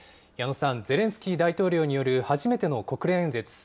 矢野さん、ゼレンスキー大統領による初めての国連演説。